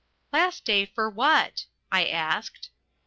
"Last day for what?" I asked.